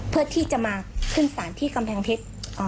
เพื่อที่จะมาขึ้นศาลที่กำแพงเพชร